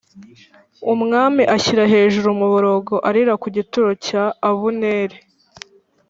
umwami ashyira hejuru umuborogo aririra ku gituro cya Abuneri